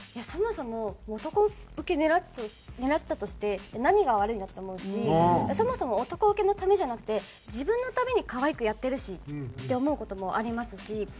そもそも男ウケ狙ってたとして何が悪いの？って思うしそもそも男ウケのためじゃなくて自分のために可愛くやってるしって思う事もありますし。